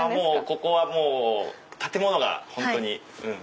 ここは建物が本当に。